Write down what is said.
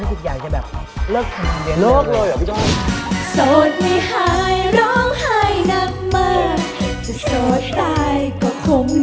แล้วทุกอย่างจะแบบเลิกทำงานเรียนเลย